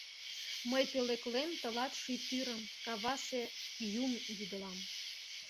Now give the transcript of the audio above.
Мый пӧлеклем тылат ший тӱрым, кавасе юм вӱдылам.